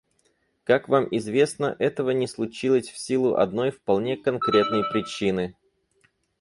Как вам известно, этого не случилось в силу одной вполне конкретной причины.